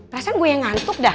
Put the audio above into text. perasaan gue yang ngantuk dah